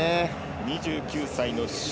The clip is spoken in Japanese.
２９歳の章